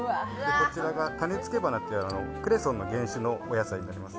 こちらが種付け花っていう、クレソンの原種のお野菜になります。